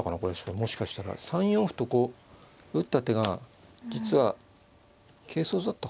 もしかしたら３四歩とこう打った手が実は軽率だったかな。